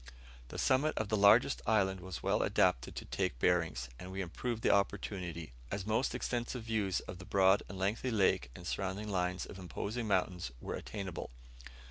The summit of the largest island was well adapted to take bearings, and we improved the opportunity, as most extensive views of the broad and lengthy lake and surrounding lines of imposing mountains were attainable.